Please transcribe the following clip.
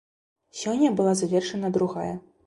Сёння была завершана другая.